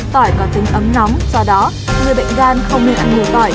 tỏi có tính ấm nóng do đó người bệnh gan không nên ăn người tỏi